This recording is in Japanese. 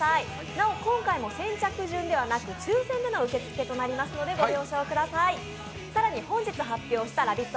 なお今回も先着順ではなく抽選での受け付けとなりますのでご了承ください更に本日発表したラヴィット！